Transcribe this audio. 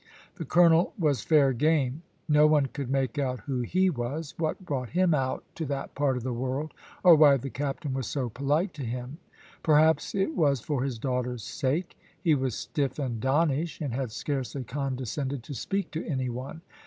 The colonel was fair game. No one could make out who he was, what brought him out to that part of the world, or why the captain was so polite to him. Perhaps it was for his daughter's sake. He was stiff and donnish, and had scarcely condescended to speak to any one.